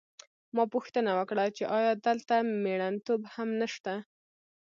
ما پوښتنه وکړه چې ایا دلته مېړنتوب هم نشته